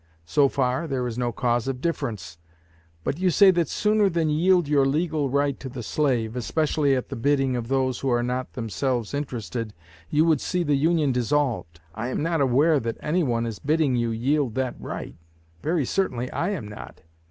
So far, there is no cause of difference. But you say that sooner than yield your legal right to the slave, especially at the bidding of those who are not themselves interested, you would see the Union dissolved. I am not aware that any one is bidding you yield that right very certainly I am not.